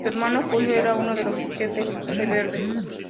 Su hermano Julio era uno de los jefes rebeldes.